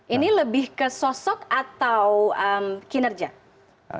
ini lebih ke sosok atau kinerja